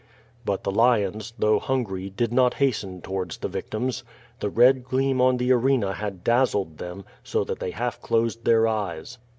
But the lions, though hungry, did not hasten towards the victims. The red gleam on the arena had dazzled them, so that they half closed their eyes.